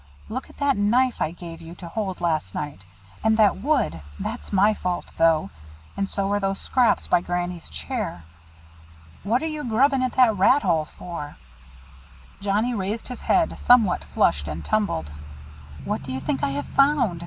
Look at that knife I gave you to hold last night, and that wood that's my fault though, and so are those scraps by Granny's chair. What are you grubbing at that rat hole for?" Johnnie raised his head somewhat flushed and tumbled. "What do you think I have found?"